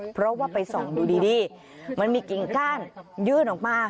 เพราะว่าไปส่องดูดีมันมีกิ่งก้านยื่นออกมา